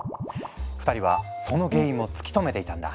２人はその原因も突き止めていたんだ。